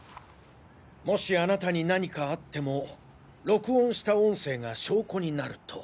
もしあなたに何かあっても録音した音声が証拠になると。